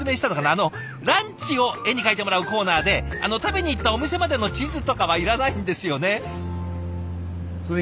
あのランチを絵に描いてもらうコーナーで食べに行ったお店までの地図とかはいらないんですよね。